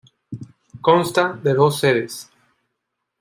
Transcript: Consta de dos sedes.